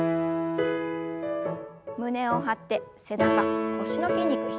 胸を張って背中腰の筋肉引き締めます。